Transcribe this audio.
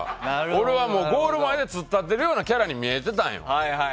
俺はもうゴール前で突っ立ってるようなキャラに見えたんよ。